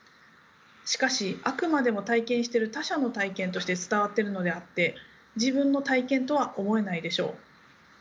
しかしあくまでも体験している他者の体験として伝わっているのであって自分の体験とは思えないでしょう。